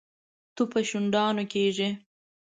تو په شونډانو کېږي.